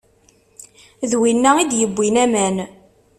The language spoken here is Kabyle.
D winna i d-iwwin aman